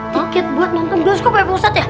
tiket buat nonton bioskop ya pak ustadz ya